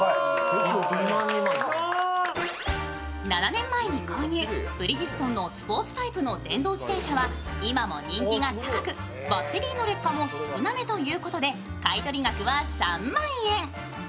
７年前に購入、ブリヂストンのスポーツタイプの電動自転車は今も人気が高く、バッテリーの劣化も少なめということで買取額は３万円。